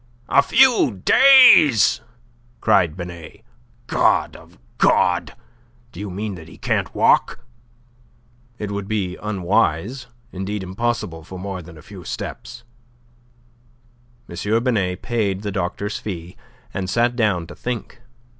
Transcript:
"A few days!" cried Binet. "God of God! Do you mean that he can't walk?" "It would be unwise, indeed impossible for more than a few steps." M. Binet paid the doctor's fee, and sat down to think.